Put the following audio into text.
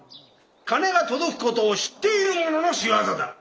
金が届く事を知っている者の仕業だ。